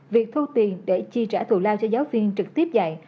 việc thu tiền để chi trả thù lao cho giáo viên trực tiếp dạy